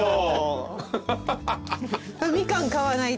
みかん買わないと。